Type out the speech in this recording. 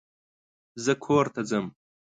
زه کورته ځم.